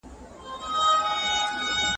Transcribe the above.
قیامت کې به پوښتنه کیږي.